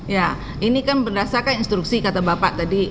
ya ini kan berdasarkan instruksi kata bapak tadi